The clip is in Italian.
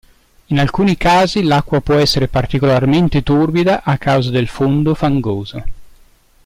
In alcuni casi l'acqua può essere particolarmente torbida a causa del fondo fangoso.